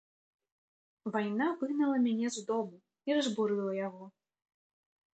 Вайна выгнала мяне з дому і разбурыла яго.